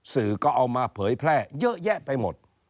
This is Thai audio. สื่อก็เอามาเผยแพร่เยอะแยะไปหมด